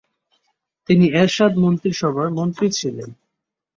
তিনি এরশাদ মন্ত্রীসভার মন্ত্রী ছিলেন।